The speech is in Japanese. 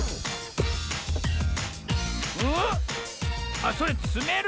あっそれつめる